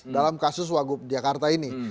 dalam kasus wagub jakarta ini